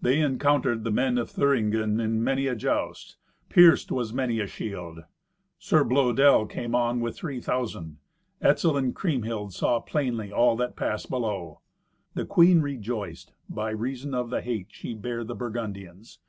They encountered the men of Thüringen in many a joust; pierced was many a shield. Sir Blœdel came on with three thousand. Etzel and Kriemhild saw plainly all that passed below. The queen rejoiced, by reason of the hate she bare the Burgundians.